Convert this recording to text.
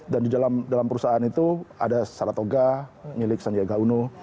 dan di dalam perusahaan itu ada saratoga milik sandiaga uno